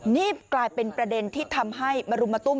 นี่กลายเป็นประเด็นที่ทำให้มารุมมาตุ้ม